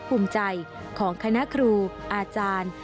เป็นความภาคภูมิใจของคณะครูอาจารย์